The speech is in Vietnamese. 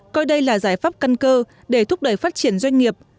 coi đây là giải pháp căn cơ để thúc đẩy phát triển doanh nghiệp